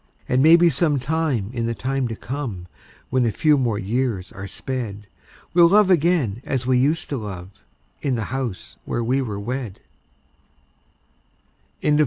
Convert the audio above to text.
And maybe some time in the time to come, When a few more years are sped, We'll love again as we used to love, In the house where we were wed.